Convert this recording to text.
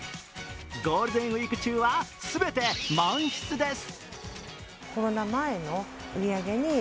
ゴールデンウイーク中は全て満室です。